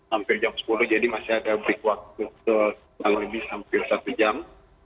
hampir jam sepuluh jadi masih ada break waktu kurang lebih hampir satu jam